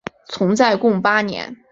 存在共八年。